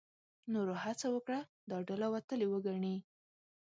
نورو هڅه وکړه دا ډله وتلې وګڼي.